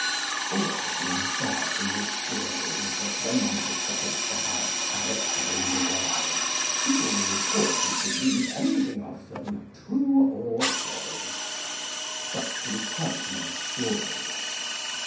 All I can infer from this story is that when one has got a bad character in the world, people will report and believe anything of them, true or false. But to return to my story.